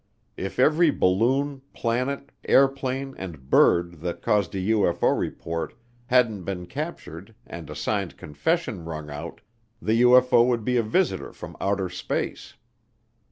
If every balloon, planet, airplane, and bird that caused a UFO report hadn't been captured and a signed confession wrung out, the UFO would be a visitor from outer space.